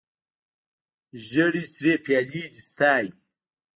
ژړې سرې پیالې دې ستا وي